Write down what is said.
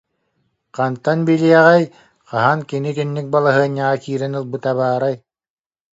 Хантан билиэҕэй, хаһан кини итинник балаһыанньаҕа киирэн ылбыта баарай